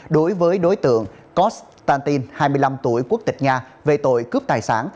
đối với đối tượng kostantin hai mươi năm tuổi quốc tịch nga về tội cướp tài sản